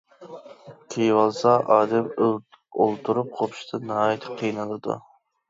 كىيىۋالسا ئادەم ئولتۇرۇپ قوپۇشتا ناھايىتى قىينىلىدۇ.